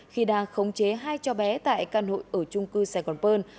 khi đang khống chế hai cho bé tại căn hội ở trung cư sài gòn pơn